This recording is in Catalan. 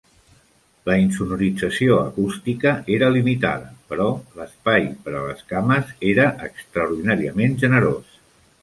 La insonorització acústica era limitada, però l'espai per a les cames era extraordinàriament generós.